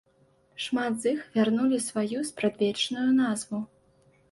Шмат з іх вярнулі сваю спрадвечную назву.